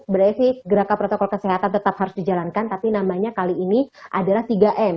berarti gerakan protokol kesehatan tetap harus dijalankan tapi namanya kali ini adalah tiga m